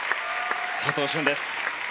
佐藤駿です。